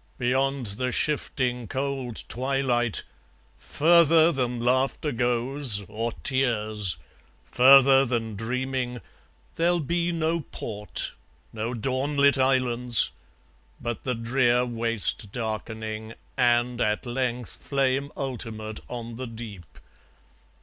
... Beyond the shifting cold twilight, Further than laughter goes, or tears, further than dreaming, There'll be no port, no dawn lit islands! But the drear Waste darkening, and, at length, flame ultimate on the deep.